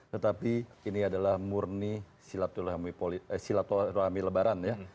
tetapi ini adalah murni silaturahmi lebaran ya